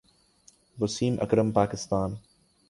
Wasim Akram Pakistan